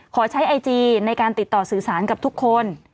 ขอใช้ไอจีในการติดต่อสื่อสารกับทุกคน